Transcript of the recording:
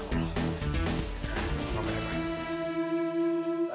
gapapa deh pak